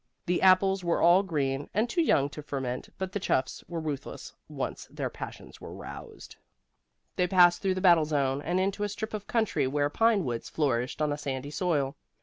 The apples were all green, and too young to ferment, but the chuffs were ruthless once their passions were roused. They passed through the battle zone, and into a strip of country where pine woods flourished on a sandy soil.